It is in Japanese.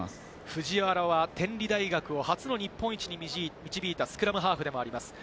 藤原は天理大学、初の日本一に導いたスクラムハーフでもあります。